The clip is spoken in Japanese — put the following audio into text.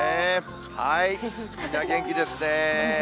みんな元気ですね。